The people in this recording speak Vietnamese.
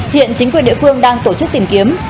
hiện chính quyền địa phương đang tổ chức tìm kiếm